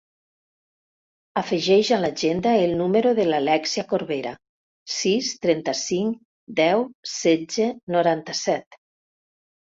Afegeix a l'agenda el número de l'Alèxia Corbera: sis, trenta-cinc, deu, setze, noranta-set.